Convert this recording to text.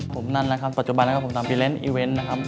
ผมนั่นนะครับปัจจุบันแล้วก็ผมทำอีเวนต์อีเวนต์นะครับ